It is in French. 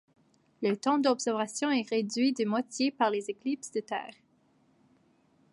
Le temps d'observation est réduit de moitié par les éclipses de Terre.